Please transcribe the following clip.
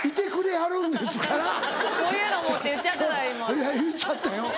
いや言っちゃったよ。